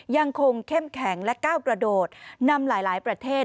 ยังคงเข้มแข็งและก้าวกระโดดนำหลายประเทศ